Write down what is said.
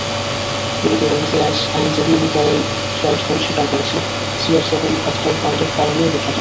এদিকে রেনজির আইনজীবী মিকায়েল ফেল্ডহুন স্বীকার করেছেন, সিআরসেভেন কথাটা রোনালদোর কারণেই বিখ্যাত।